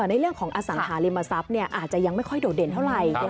ในเรื่องของอสังหาริมทรัพย์อาจจะยังไม่ค่อยโดดเด่นเท่าไหร่